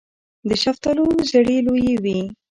د شفتالو زړې لویې وي.